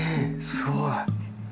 すごい！